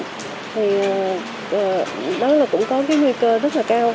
thì đó là cũng có cái nguy cơ rất là cao